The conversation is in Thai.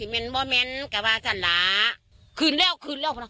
มันก็เห็นตาเบียด